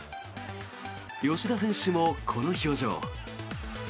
吉田選手もこの表情。